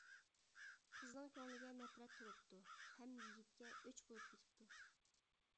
قىزنىڭ كۆڭلىگە نەپرەت تولۇپتۇ ھەم يىگىتكە ئۆچ بولۇپ كېتىپتۇ.